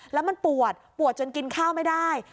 แล้วมันปวดปวดจนกินข้าวไม่ได้